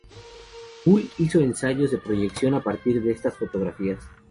Bull hizo ensayos de proyección a partir de estas fotografías.